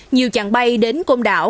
nhiều chặng bay đến côn đảo